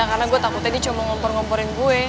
karena gue takutnya dia cuma ngompor ngomporin gue